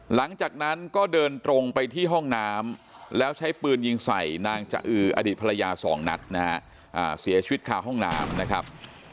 หลังจากนั้นก็เดินตรงไปที่ห้องน้ำแล้วใช้ปืนยิงใส่นางจะอืออดีตภรรยาสองนัดนะฮะเสียชีวิตคาห้องน้ำนะครับ